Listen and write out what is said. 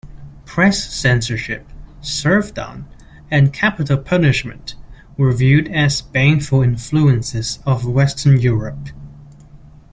Press censorship, serfdom and capital punishment were viewed as baneful influences of Western Europe.